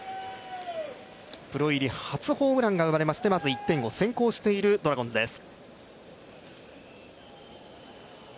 プロ入り初ホームランが生まれまして、まず１点を先行しているドラゴンズです。